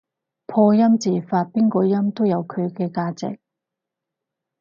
破音字發邊個音都有佢嘅價值